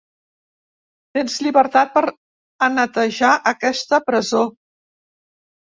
Tens llibertat per a netejar aquesta presó.